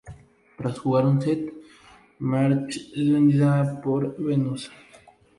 Tras jugar un set, Marge es vencida por Venus.